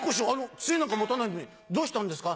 杖なんか持たないのにどうしたんですか？」。